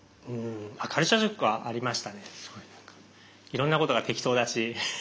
いろんなことが適当だし。